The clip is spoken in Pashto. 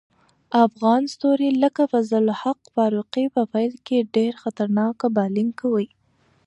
افغان ستوري لکه فضل الحق فاروقي په پیل کې ډېر خطرناک بالینګ کوي.